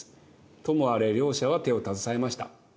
ともあれ両者は手を携えました。